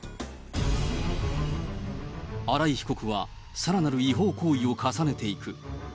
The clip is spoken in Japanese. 新井被告は、さらなる違法行為を重ねていく。